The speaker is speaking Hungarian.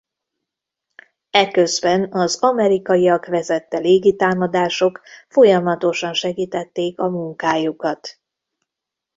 Eközben az amerikaiak vezette légitámadások folyamatosan segítették a munkájukat.